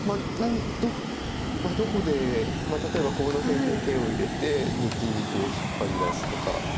どこで例えばこの辺で手を入れて抜きに引っ張り出すとか。